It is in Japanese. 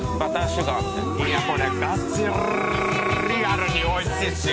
「いやこれガチリアルにおいしいっすよ